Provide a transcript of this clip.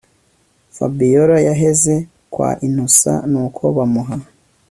Fabiora yaheze kwa innocent nuko bamuha